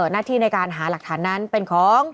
หน้าที่ในการหาหลักฐานนั้นเป็นของ